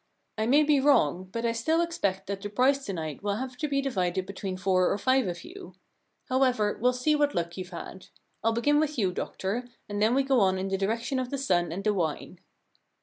I may be wrong, but I still expect that the prize to night will have to 9 The Problem Club be divided between four or five of you. How ever, we*ll see what luck you've had. Til begin with you, doctor, and then go on in the direction of the sun and the wine.'